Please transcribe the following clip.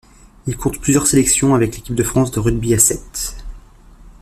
Il compte plusieurs sélections avec l'équipe de France de rugby à sept.